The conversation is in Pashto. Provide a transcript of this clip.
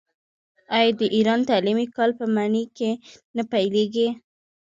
آیا د ایران تعلیمي کال په مني کې نه پیلیږي؟